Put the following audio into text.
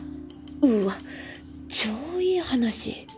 うっわ超いい話。